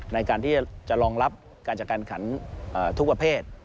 ในการที่จะรองรับการจัดการขันทุกประเภท